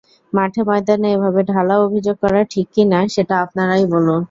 মাঠে ময়দানে এভাবে ঢালাও অভিযোগ করা ঠিক কি-না সেটা আপনারাই বলুন।